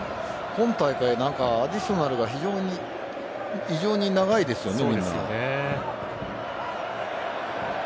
今大会アディショナルが異常に長いですよね。